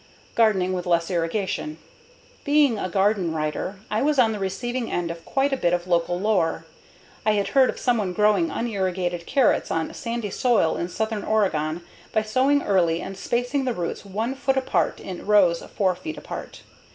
Gardening with Less Irrigation Being a garden writer, I was on the receiving end of quite a bit of local lore. I had heard of someone growing unirrigated carrots on sandy soil in southern Oregon by sowing early and spacing the roots 1 foot apart in rows 4 feet apart.